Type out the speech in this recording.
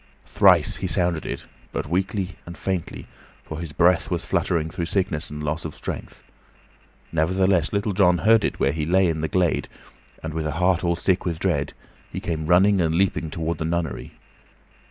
Thrice he sounded it, but weakly and faintly, for his breath was fluttering through sickness and loss of strength; nevertheless, Little John heard it where he lay in the glade, and, with a heart all sick with dread, he came running and leaping toward the nunnery.